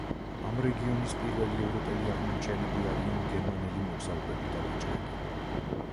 ამ რეგიონის პირველი ევროპელი აღმომჩენები არიან გერმანელი მოგზაურები და ვაჭრები.